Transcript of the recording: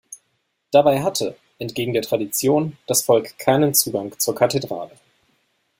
Dabei hatte, entgegen der Tradition, das Volk keinen Zugang zur Kathedrale.